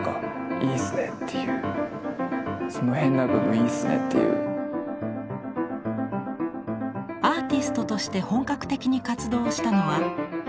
アーティストとして本格的に活動をしたのは僅か６年ほど。